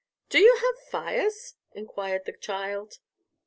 "Do you have fires?" enquired the child.